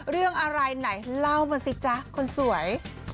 เรื่องอะไรไหนเล่ามาสิจ๊ะคนสวย